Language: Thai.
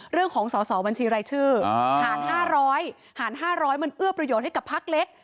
เรื่องของสอสอบัญชีรายชื่อหาร๕๐๐หาร๕๐๐มันเอื้อประโยชน์ให้กับพักเล็ก